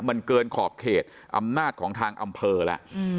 มันเกินขอบเขตอำนาจของทางอำเภอแล้ว